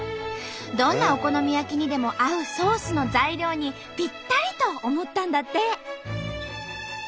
どんなお好み焼きにでも合うソースの材料にぴったりと思ったんだって。